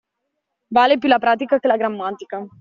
Vale più la pratica che la grammatica.